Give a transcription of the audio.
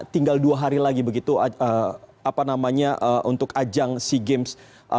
tinggal dua hari lagi begitu apa namanya untuk ajang sea games dua ribu dua puluh satu